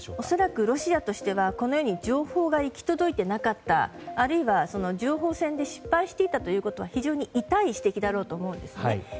恐らく、ロシアとしては情報が行き届いていなかったあるいは、情報戦で失敗していたというのは非常に痛い指摘だろうと思うんですね。